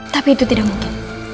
tapi itu tidak mungkin